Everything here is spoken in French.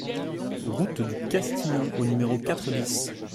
Route du Castillon au numéro quatre BIS